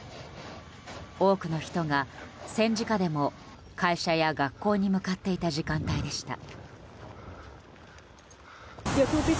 多くの人が、戦時下でも会社や学校に向かっていた時間帯でした。